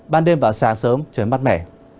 ban đêm và sáng sớm trời mắt mẻ